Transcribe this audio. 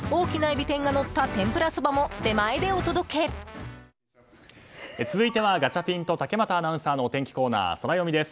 東京海上日動続いてはガチャピンと竹俣アナウンサーのお天気コーナー、ソラよみです。